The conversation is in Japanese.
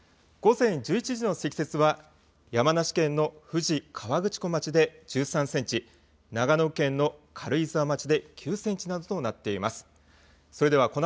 午前中１１時の積雪は山梨県の富士河口湖町で１３センチ、長野県の軽井沢町で９センチなどとなっています。